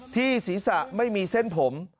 ที่ศีรษะไม่มีเส้นผม